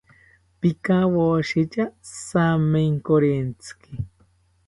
Pikawoshitya jamenkorentziki